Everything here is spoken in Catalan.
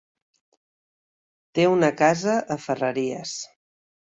Té una casa a Ferreries.